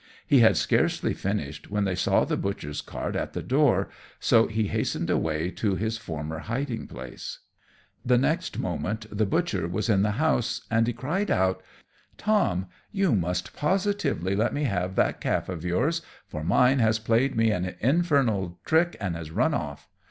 He had scarcely finished when they saw the butcher's cart at the door, so he hastened away to his former hiding place. [Illustration: The Cobbler carrying off the Calf.] The next moment the butcher was in the house, and he cried out, "Tom! you must positively let me have that calf of yours, for mine has played me an infernal trick, and has run off!